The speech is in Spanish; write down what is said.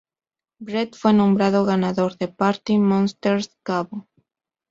Brett fue nombrado ganador de Party Monsters Cabo.